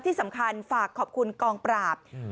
ที่สำคัญฝากขอบคุณกองปราบ